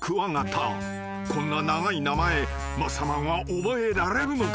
［こんな長い名前マッサマンは覚えられるのか？］